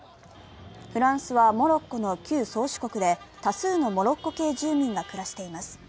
フランスはモロッコの旧宗主国で多数のモロッコ系住民が暮らしています。